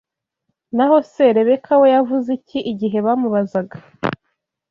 Naho se Rebeka we yavuze iki igihe bamubazaga